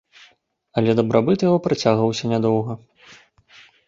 Але дабрабыт яго працягваўся нядоўга.